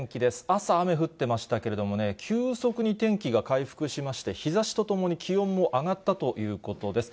朝、雨降っていましたけれどもね、急速に天気が回復しまして、日ざしとともに、気温も上がったということです。